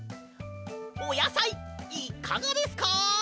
おやさいいかがですか？